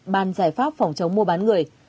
ban giải pháp phòng chống mua bán người